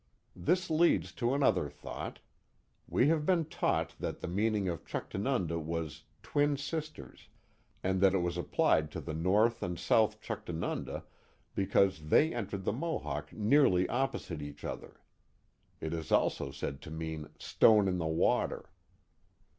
This leads to another thought. We have been taught that the meaning of Chuctanunda was twin sisters " and that it was applied to the north and south Chuctanunda because they entered the Mohawk nearly oppo site each other. It is also said to mean stone in the water.